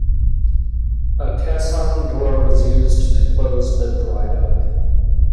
A caisson door was used to close the dry dock.